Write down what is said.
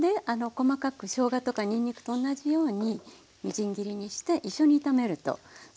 細かくしょうがとかにんにくと同じようにみじん切りにして一緒に炒めるとすごくおいしいの。